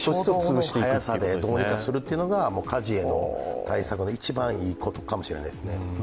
早さでどうにかするのが火事への対策で一番いいことかもしれないですね。